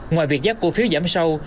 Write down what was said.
ngoài việc giá cổ phiếu giảm sâu